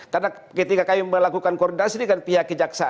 karena ketika kami melakukan koordinasi dengan pihak kejaksaan